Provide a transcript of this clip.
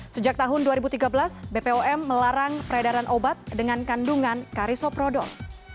sejak tahun dua ribu tiga belas bpom melarang peredaran obat dengan kandungan karisoprodol